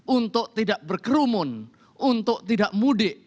untuk tidak berkerumun untuk tidak mudik